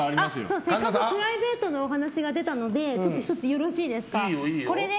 せっかくプライベートのお話が出たので１つよろしいですか。